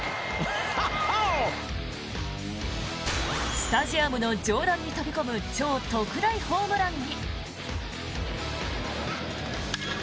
スタジアムの上段に飛び込む超特大ホームランに。